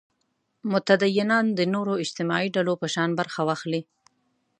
متدینان د نورو اجتماعي ډلو په شان برخه واخلي.